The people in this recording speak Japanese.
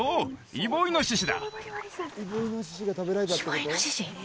イボイノシシ？